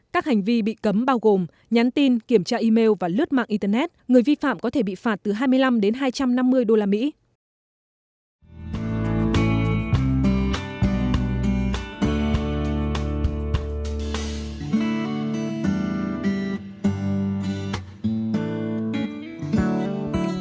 các hành vi bị cấm bao gồm nhắn tin kiểm tra email và lướt mạng internet người vi phạm có thể bị phạt từ hai mươi năm đến hai trăm năm mươi đô la mỹ